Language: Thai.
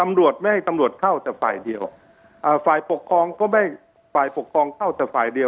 เราจะไม่ให้เจ้าหน้าที่อีกฝ่ายใดเข้าดวงเรียนการแต่ฝ่ายเดียว